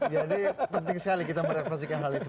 jadi penting sekali kita merefrasikan hal itu